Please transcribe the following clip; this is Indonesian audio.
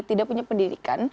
tidak punya pendidikan